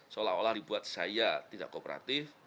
seolah olah dibuat saya tidak kooperatif